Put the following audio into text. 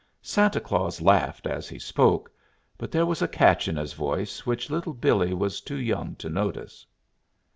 Santa Claus laughed as he spoke; but there was a catch in his voice which Little Billee was too young to notice.